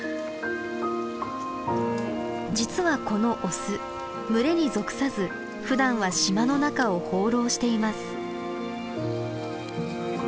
実はこのオス群れに属さずふだんは島の中を放浪しています。